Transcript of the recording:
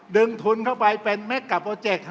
ดึงทุนเข้าไปเป็นเมกะโปรเจค